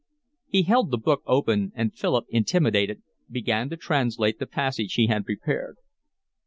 He held the book open and Philip, intimidated, began to translate the passage he had prepared.